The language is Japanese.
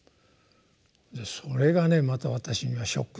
それがねまた私にはショックでね。